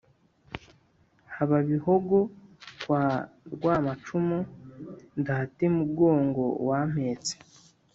hababihogo kwa rwamacumu.ndate mugongo wampetse